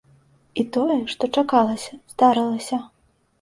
І тое, што чакалася, здарылася.